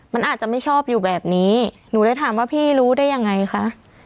มันอาจจะไม่ชอบอยู่แบบนี้หนูเลยถามว่าพี่รู้ได้ยังไงคะ